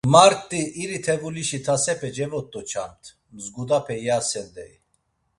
Mart̆i iri tevulişi tasepe cevot̆oçamt mzgudape iyasen deyi.